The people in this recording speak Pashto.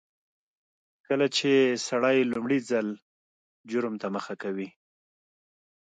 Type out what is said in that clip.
کله چې سړی لومړي ځل جرم ته مخه کوي.